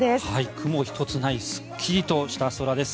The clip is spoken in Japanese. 雲一つないすっきりとした空です。